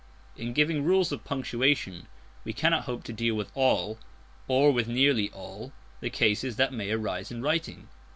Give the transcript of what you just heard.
In giving rules of punctuation we cannot hope to deal with all, or with nearly all, the cases that may arise in writing.